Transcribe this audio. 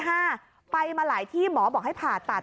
ไปมาหลายที่หมอบอกให้ผ่าตัด